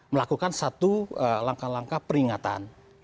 melakukan satu langkah langkah peringatan